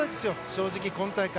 正直、今大会。